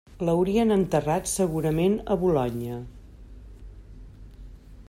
L'haurien enterrat segurament a Bolonya.